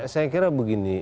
saya kira begini